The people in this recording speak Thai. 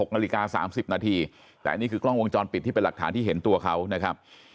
นาฬิกา๓๐นาทีแต่อันนี้คือกล้องวงจรปิดที่เป็นหลักฐานที่เห็นตัวเขานะครับ